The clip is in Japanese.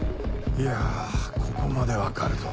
いやここまで分かるとは。